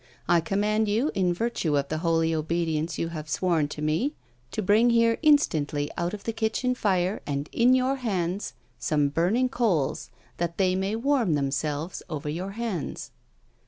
I command you, in virtue of the holy obedience you have sworn to me, to bring here instantly out of the kitchen fire, and in your hands, some burning coals, that they may warm themselves over your hands."